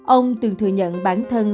ông từng thừa nhận bản thân